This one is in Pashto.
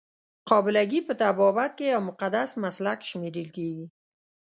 قابله ګي په طبابت کې یو مقدس مسلک شمیرل کیږي.